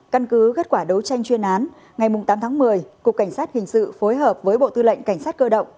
căn cứ kết quả đấu tranh chuyên án ngày tám tháng một mươi cục cảnh sát hình sự phối hợp với bộ tư lệnh cảnh sát cơ động